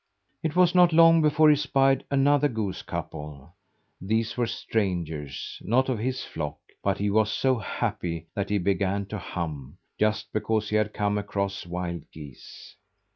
It was not long before he spied another goose couple. These were strangers, not of his flock, but he was so happy that he began to hum just because he had come across wild geese.